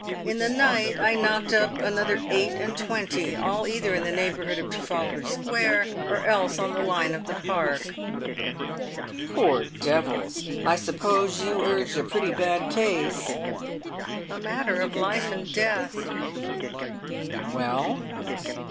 In the night I knocked up other eight and twenty, all either in the neighbourhood of Trafalgar Square or else on the line of the Park." "Poor devils! I suppose you urged a pretty bad case?" "A matter of life or death." "Well?"